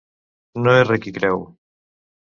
No erra qui creu.